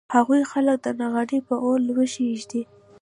هغوی خلک د نغري په اور لوښي اېږدي